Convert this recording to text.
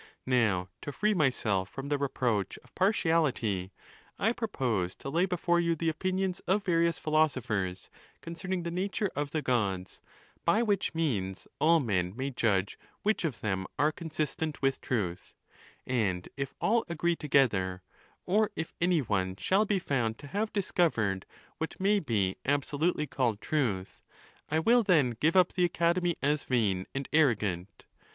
Now, to free myself from the reproach of partiality, I propose to lay before you the opinions of various phi losophers concerning the nature of the Gods, by which means all men may judge which of them are consistent with truth ; and if all agree together, or if any one shall be found to have discovered what may be absolutely called trnth, I will then give up the Academy as vain and arro gant.